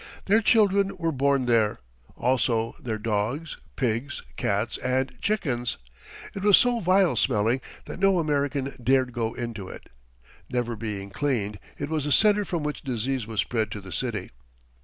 Their children were born there, also their dogs, pigs, cats, and chickens. It was so vile smelling that no American dared go into it. Never being cleaned, it was the center from which disease was spread to the city.